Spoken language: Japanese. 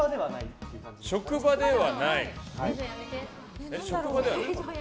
職場ではない。